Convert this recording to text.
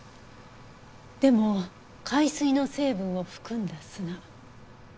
でも海水の成分を含んだ砂。